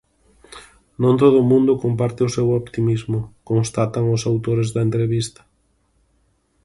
"Non todo mundo comparte o seu optimismo", constatan os autores da entrevista.